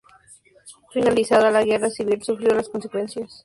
Finalizada la Guerra Civil sufrió las consecuencias de la represión.